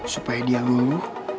supaya dia luluh